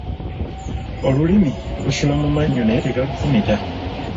Olulimi lusula mu mannyo naye tegalufumita.